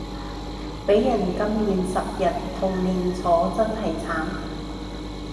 畀人禁言十日同連坐真係慘